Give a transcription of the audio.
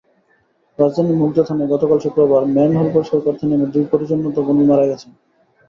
রাজধানীর মুগদা থানায় গতকাল শুক্রবার ম্যানহোল পরিষ্কার করতে নেমে দুই পরিচ্ছন্নতাকর্মী মারা গেছেন।